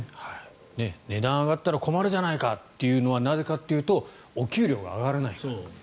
値段が上がったら困るじゃないかというのはなぜかというとお給料が上がらないからと。